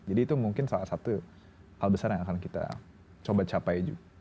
jadi itu mungkin salah satu hal besar yang akan kita coba capai